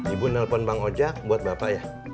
ibu nelfon bang ojak buat bapak ya